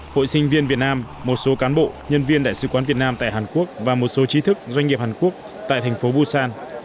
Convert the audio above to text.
hội sinh viên việt nam một số cán bộ nhân viên đại sứ quán việt nam tại hàn quốc và một số trí thức doanh nghiệp hàn quốc tại thành phố busan